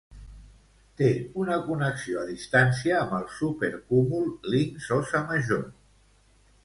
Té una connexió a distància amb el supercúmul Linx-Óssa Major.